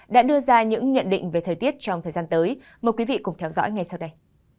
đã đưa ra những nhận định về thời tiết trong thời gian tới mời quý vị cùng theo dõi ngay sau đây